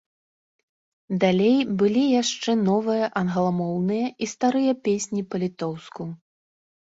Далей былі яшчэ новыя англамоўныя і старыя песні па-літоўску.